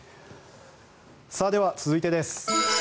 では、続いてです。